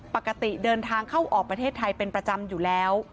ปกติเดินทางเข้าออกประเทศไทยเป็นประจำอยู่แล้ว